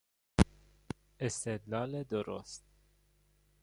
استدلال درست